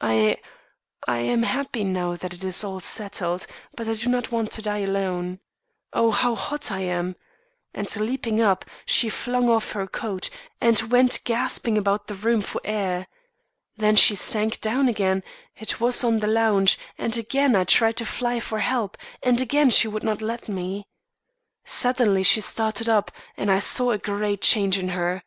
'I I am happy now that it is all settled; but I do not want to die alone. Oh, how hot I am!' And leaping up, she flung off her coat, and went gasping about the room for air. When she sank down again, it was on the lounge; and again I tried to fly for help, and again she would not let me. Suddenly she started up, and I saw a great change in her.